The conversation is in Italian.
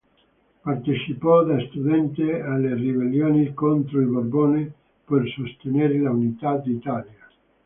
Partecipò, da studente, alle ribellioni contro i Borbone per sostenere l'Unità d'Italia.